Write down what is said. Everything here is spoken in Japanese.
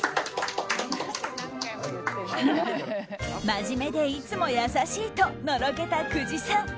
真面目で、いつも優しいとのろけた久慈さん。